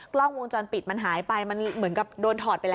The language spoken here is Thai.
กล้องวงจรปิดมันหายไปมันเหมือนกับโดนถอดไปแล้ว